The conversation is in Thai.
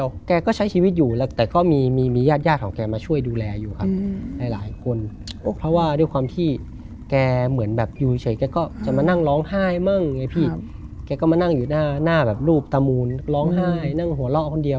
ยังมีพวกเครื่องจนจงนะไม่เหลืองอะไร